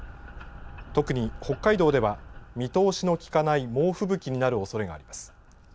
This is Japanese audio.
特に北海道では見通しのきかない猛吹雪になるおそれがあります。